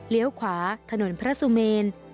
เลี้ยวขวาถนนพระสุเมน